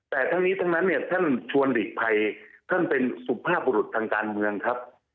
แต่ทั้งนี้ทั้งนั้นเนี่ยท่านชวนหลีกภัยท่านเป็นสุภาพบุรุษทางการเมืองครับ